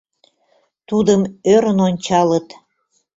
Тудым ӧрын ончалыт.